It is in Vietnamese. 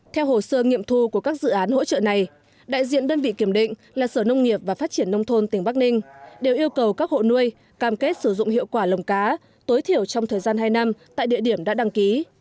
theo hồ sơ nghiệm thu của các dự án hỗ trợ này đại diện đơn vị kiểm định là sở nông nghiệp và phát triển nông thôn tỉnh bắc ninh đều yêu cầu các hộ nuôi cam kết sử dụng hiệu quả lồng cá tối thiểu trong thời gian hai năm tại địa điểm đã đăng ký